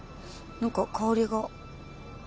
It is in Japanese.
何か香りが。